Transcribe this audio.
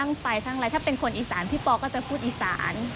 ไปทั้งอะไรถ้าเป็นคนอีสานพี่ปอก็จะพูดอีสาน